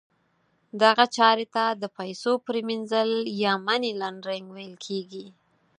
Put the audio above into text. دغه چارې ته د پیسو پریمینځل یا Money Laundering ویل کیږي.